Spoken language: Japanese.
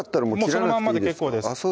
そのままで結構ですあっ